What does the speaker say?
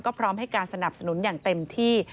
พร้อมให้การสนับสนุนอย่างเต็มที่